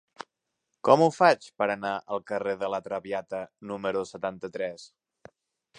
Com ho faig per anar al carrer de La Traviata número setanta-tres?